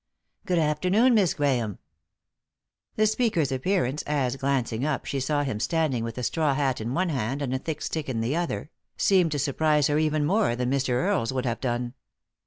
" Good afternoon, Miss Grahame." The speaker's appearance as, glancing up, she saw him standing with a straw hat in one hand and a thick stick in the other, seemed to surprise her even more that Mr. Earle's would have done.